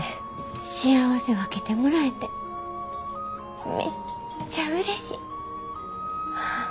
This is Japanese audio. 幸せ分けてもらえてめっちゃうれしい。